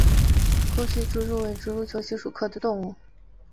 沟岸希蛛为球蛛科希蛛属的动物。